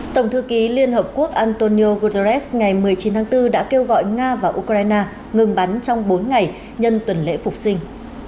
tổng thư ký liên hợp quốc antonio guterres ngày một mươi chín tháng bốn đã kêu gọi nga và ukraine ngừng bắn trong bốn ngày nhân tuần lễ phục sinh